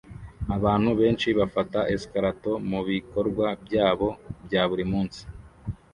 Abantu benshi bafata escalator mubikorwa byabo bya buri munsi